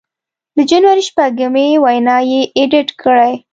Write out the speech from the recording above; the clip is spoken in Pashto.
د جنوري شپږمې وینا یې اېډېټ کړې